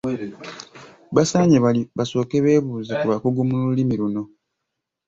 Basaanye basooke beebuuze ku bakugu mu Lulimi luno.